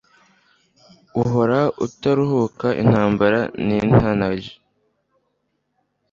uhora utaruhuka intambara nintanage